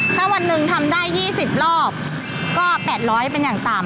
ถ้าวันหนึ่งทำได้๒๐รอบก็๘๐๐เป็นอย่างต่ำ